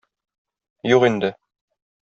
Юк инде.